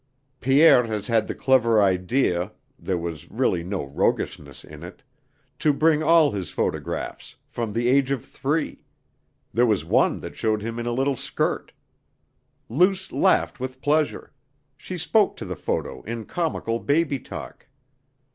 Pierre has had the clever idea (there was really no roguishness in it) to bring all his photographs, from the age of three; there was one that showed him in a little skirt. Luce laughed with pleasure; she spoke to the photo in comical baby talk.